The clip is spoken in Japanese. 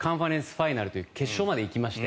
ファイナルという決勝まで行きまして